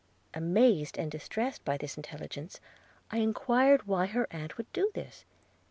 'Amazed and distressed by this intelligence, I enquired why her aunt would do this?